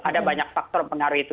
ada banyak faktor pengaruh itu